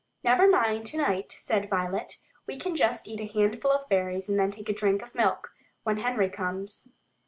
"Never mind tonight," said Violet. "We can just eat a handful of berries and then take a drink of milk, when Henry comes."